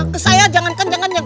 ke saya jangan kenceng kenceng